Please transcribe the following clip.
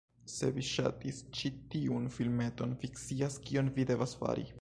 Se vi ŝatis ĉi tiun filmeton, vi scias kion vi devas fari: